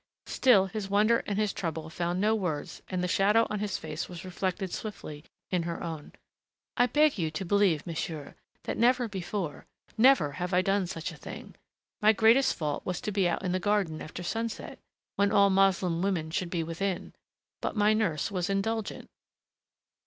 Still his wonder and his trouble found no words and the shadow on his face was reflected swiftly in her own. "I beg you to believe, monsieur, that never before never have I done such a thing. My greatest fault was to be out in the garden after sunset when all Moslem women should be within. But my nurse was indulgent."